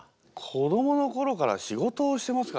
子どもの頃から仕事をしてますからね。